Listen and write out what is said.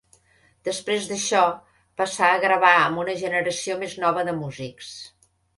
Després d'això, passà a gravar amb una generació més nova de músics.